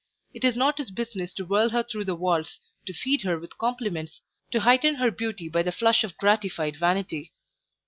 It is not his business to whirl her through the waltz, to feed her with compliments, to heighten her beauty by the flush of gratified vanity.